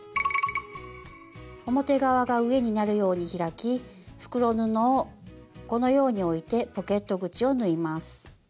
表側が上になるように開き袋布をこのように置いてポケット口を縫います。